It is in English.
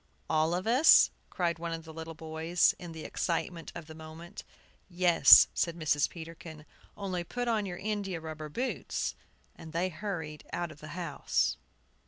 "All of us?" cried one of the little boys, in the excitement of the moment. "Yes," said Mrs. Peterkin, "only put on your india rubber boots." And they hurried out of the house.